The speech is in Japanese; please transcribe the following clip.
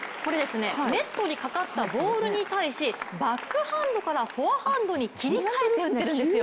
ネットにかかったボールに対し、バックハンドからフォアハンドに切り替えて打ってるんです。